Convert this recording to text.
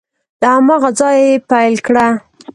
له هماغه ځایه یې پیل کړه